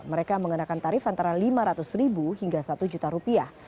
mereka mengenakan tarif antara lima ratus ribu hingga satu juta rupiah